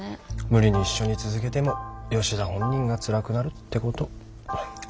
無理に一緒に続けても吉田本人がつらくなるってこと。